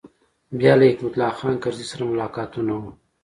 بیا له حکمت الله خان کرزي سره ملاقاتونه و.